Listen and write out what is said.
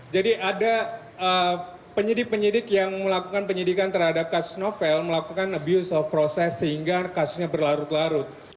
jadi ada penyidik penyidik yang melakukan penyidikan terhadap kasus novel melakukan abuse of process sehingga kasusnya berlarut larut